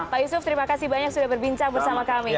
pak yusuf terima kasih banyak sudah berbincang bersama kami